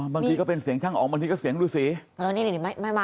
ก็เป็นเสียงช่างอ๋องบางทีก็เสียงรูสี